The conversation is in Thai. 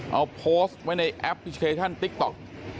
เอาโพสต์ไว้ในแอปพลิเคชันติ๊กต๊อก